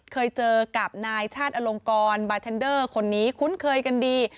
เคยเจอกับนายชาติอลงกรบาเทนเดอร์คนนี้คุ้นเคยกันดี